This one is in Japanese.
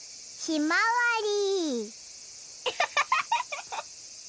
ひまわり。